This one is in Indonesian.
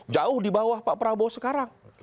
jauh di bawah pak prabowo sekarang